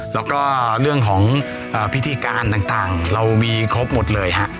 แล้วก็เรื่องของพิธีการต่างเรามีครบหมดเลยฮะ